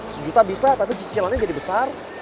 sejuta bisa tapi cicilannya jadi besar